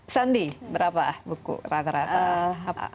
sandi berapa buku rata rata